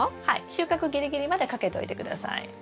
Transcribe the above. はい収穫ギリギリまでかけておいて下さい。